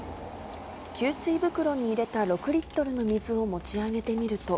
給水袋に入れた６リットルの水を持ち上げてみると。